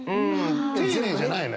丁寧じゃないのよ。